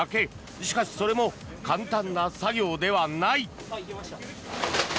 しかしそれも簡単な作業ではない。